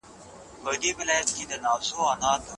انا په سړه کوټه کې د خپل ځان لپاره دعا کوله.